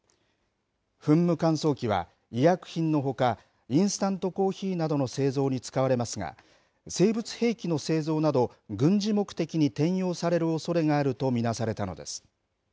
噴霧乾燥器は医薬品のほか、インスタントコーヒーなどの製造に使われますが、生物兵器の製造など、軍事目的に転用されるおそれがあると見なされたのです。